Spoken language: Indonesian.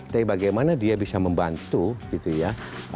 tapi bagaimana dia bisa membantu gitu ya